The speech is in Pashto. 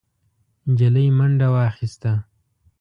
نجلۍ منډه واخيسته.